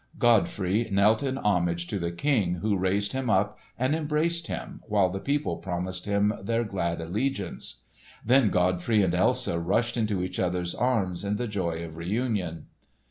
Godfrey knelt in homage to the King who raised him up and embraced him, while the people promised him their glad allegiance. Then Godfrey and Elsa rushed into each other's arms in the joy of reunion.